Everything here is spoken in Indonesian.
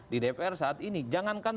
di dpr saat ini jangankan